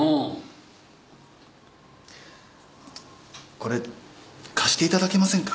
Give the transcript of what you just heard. これ貸していただけませんか？